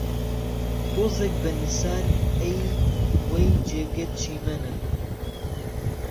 تۆزێک به نسار، ئهی وهی جێگهت چیمهنه